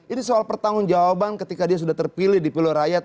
ini soal pertanggung jawaban ketika dia sudah terpilih di pilih rakyat